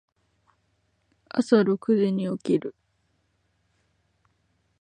朝六時に起きる。